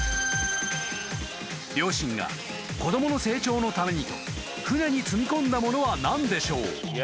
［両親が子供の成長のためにと船に積み込んだものは何でしょう？］